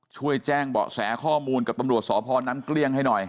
ช่วยแจ้งเบาะแสข้อมูลกับตำรวจสพน้ำเกลี้ยงให้หน่อย